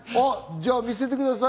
じゃあ、見せてください